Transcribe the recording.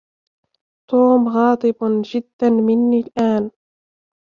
توم غاضب جدا مني الآن.